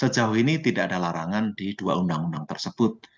sejauh ini tidak ada larangan di dua undang undang tersebut